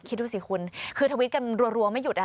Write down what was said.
คิดดูสิคุณคือทวิตกันรัวไม่หยุด